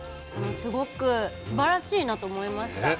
すごくすばらしいなと思いました。